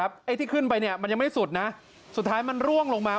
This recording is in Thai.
ไอ้ที่ขึ้นไปเนี่ยมันยังไม่สุดนะสุดท้ายมันร่วงลงมา